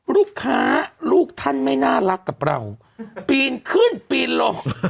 ลูกค้าลูกท่านไม่น่ารักกับเราปีนขึ้นปีนลง